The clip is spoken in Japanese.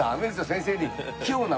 先生に。